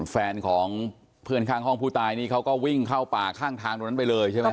แฟนของเพื่อนข้างห้องผู้ตายนี่เขาก็วิ่งเข้าป่าข้างทางตรงนั้นไปเลยใช่ไหม